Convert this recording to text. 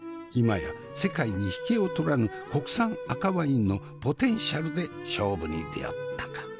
今や世界に引けを取らぬ国産赤ワインのポテンシャルで勝負に出よったか。